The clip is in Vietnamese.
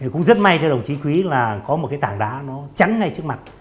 cũng rất may theo đồng chí quý là có một cái tảng đá nó chắn ngay trước mặt